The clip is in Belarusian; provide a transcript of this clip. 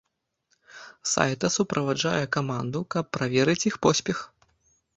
Сайта суправаджае каманду, каб праверыць іх поспех.